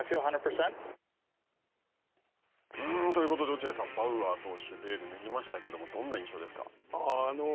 ということで落合さん、バウアー投手、ベールを脱ぎましたけれども、どんな印象ですか。